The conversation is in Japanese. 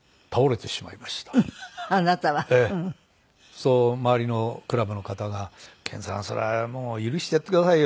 その周りのクラブの方が「健さんそれはもう許してやってくださいよ」